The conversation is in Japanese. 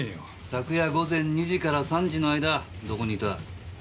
昨夜午前２時から３時の間どこにいた？